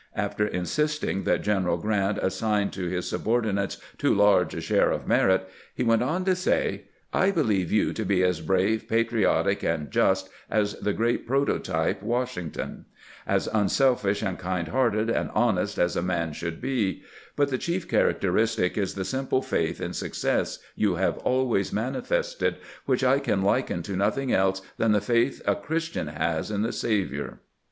After insisting that KELATIONS BETWEEN GEANT AND SHERMAN 287 General Grant assigned to Hs subordinates too large a share of merit, he went on to say :" I believe you to be as brave, patriotic, and just as tbe great prototype, "Wash ington ; as unselfish, kind hearted, and honest as a man should be ; but the chief characteristic is the simple faith in success you have always manifested, which I can liken to nothing else than the faith a Christian has in the Saviour.